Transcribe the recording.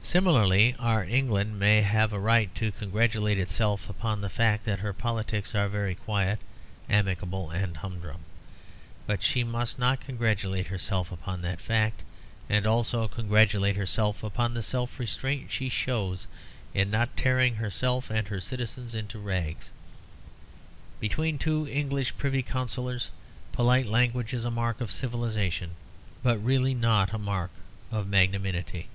Similarly our England may have a right to congratulate itself upon the fact that her politics are very quiet, amicable, and humdrum. But she must not congratulate herself upon that fact and also congratulate herself upon the self restraint she shows in not tearing herself and her citizens into rags. Between two English Privy Councillors polite language is a mark of civilisation, but really not a mark of magnanimity.